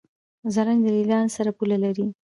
زرنج له ایران سره پوله لري.